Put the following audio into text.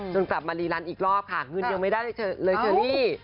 กลับมารีรันอีกรอบค่ะเงินยังไม่ได้เลยเชอรี่